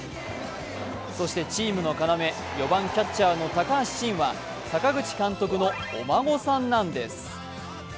そしてチームの要、４番キャッチャーの高橋慎は阪口監督のお孫さんなんです。